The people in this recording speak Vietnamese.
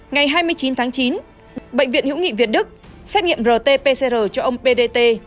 ngày hai mươi chín tháng chín bệnh viện hữu nghị việt đức xét nghiệm rt pcr cho ông p d t